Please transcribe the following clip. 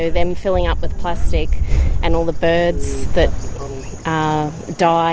dan jadi mereka mengisi plastik dan semua burung yang mati